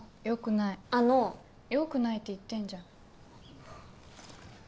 よくないあのよくないって言ってんじゃん